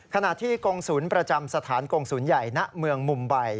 ขณะที่กงศูนย์ประจำสถานกงศูนย์ใหญ่ณเมืองมุมใบ